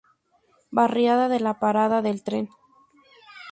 Barriada de la Parada del Tren.